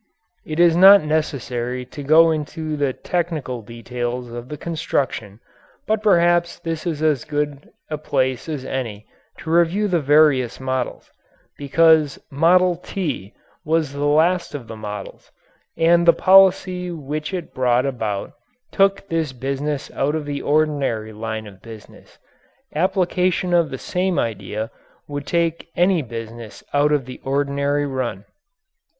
It is not necessary to go into the technical details of the construction but perhaps this is as good a place as any to review the various models, because "Model T" was the last of the models and the policy which it brought about took this business out of the ordinary line of business. Application of the same idea would take any business out of the ordinary run.